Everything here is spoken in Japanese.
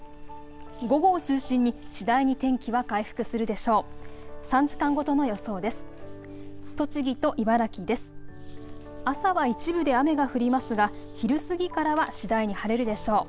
午後を中心に次第に天気は回復するでしょう。